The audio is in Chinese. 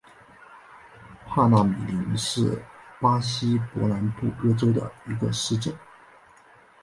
帕纳米林是巴西伯南布哥州的一个市镇。